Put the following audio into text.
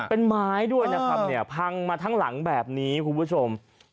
เป็นไม้ด้วยนะครับเนี่ยพังมาทั้งหลังแบบนี้คุณผู้ชม